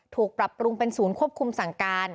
ถูกปรับปรุงเป็นศูนย์ควบคุมสั่งการ